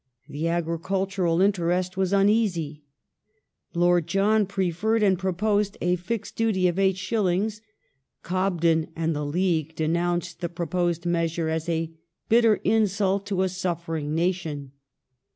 The agricultural interest was uneasy ; Lord John prefeiTed and proposed a fixed duty of 8s. ; Cobden and the League denounced the proposed measure as a "bitter insult to a suffering nation".